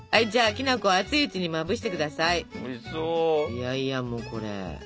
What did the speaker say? いやいやもうこれ。